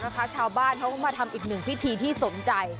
เลขอะไรว้าวอะไรอะไร